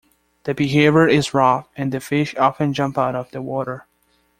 The behaviour is rough and the fish often jump out of the water.